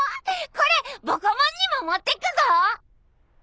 これボコモンにも持ってくぞ！